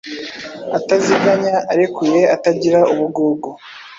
Ataziganya: arekuye, atagira ubugugu